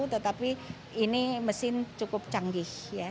tetapi ini mesin cukup canggih